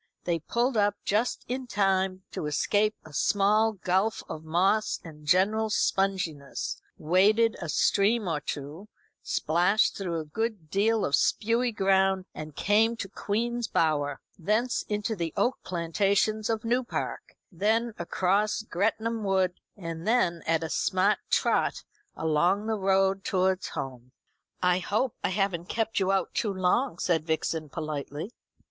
They pulled up just in time to escape a small gulf of moss and general sponginess, waded a stream or two, splashed through a good deal of spewy ground, and came to Queen's Bower; thence into the oak plantations of New Park; then across Gretnam Wood; and then at a smart trot along the road towards home. "I hope I haven't kept you out too long?" said Vixen politely.